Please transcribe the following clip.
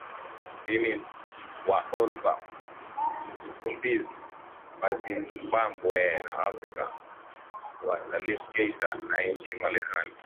mimi wa Oliver Mtukudzi wa Zimbabwe na Africa wa Salif Keita wa nchini Mali